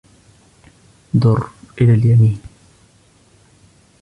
دُر إلى اليمين.